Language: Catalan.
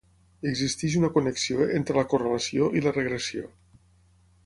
Existeix una connexió entre la correlació i la regressió.